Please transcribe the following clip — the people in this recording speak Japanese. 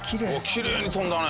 きれいに飛んだね。